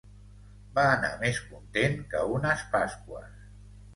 Va anar més content que unes Pas-cues.